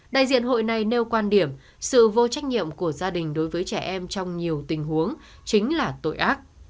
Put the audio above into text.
đại diện hội này nêu quan điểm sự vô trách nhiệm của gia đình đối với trẻ em trong nhiều tình huống chính là tội ác